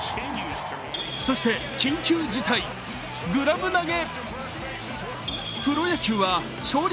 そして緊急事態、グラブ投げ。